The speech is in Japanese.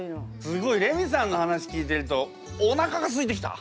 すごいレミさんの話聞いてるとおなかがすいてきた！